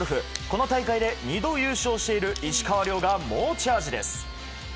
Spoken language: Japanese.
この大会で２度優勝している石川遼が猛チャージです。